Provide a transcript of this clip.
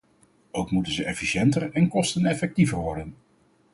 Ook moeten ze efficiënter en kosteneffectiever worden.